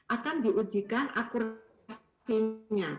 akan diujikan akurasinya